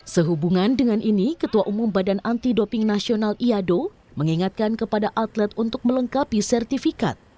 sehubungan dengan ini ketua umum badan anti doping nasional iado mengingatkan kepada atlet untuk melengkapi sertifikat